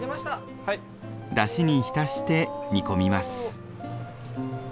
だしに浸して煮込みます。